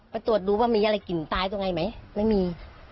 ตรวจดูว่ามีอะไรกลิ่นตายตรงไหนไหมไม่มี